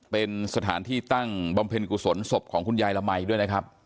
เป็นสถานที่ตั้งบำเพ็ญกุศลศพของคุณยายละมัยด้วยนะครับ